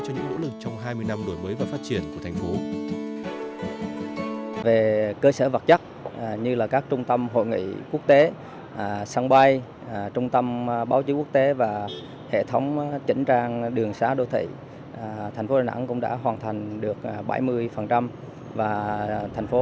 cho những nỗ lực trong hai mươi năm đổi mới và phát triển của thành phố